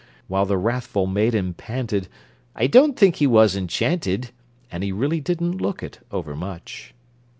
While the wrathful maiden panted: "I don't think he was enchanted!" (And he really didn't look it overmuch!)